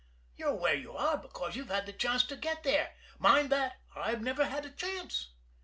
You're where you are because you've had the chance to get there. Mind that! I've never had a chance.